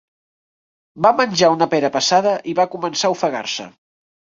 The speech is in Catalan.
Va menjar una pera passada i va començar a ofegar-se.